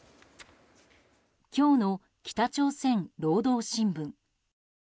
今日の北朝鮮、労働新聞。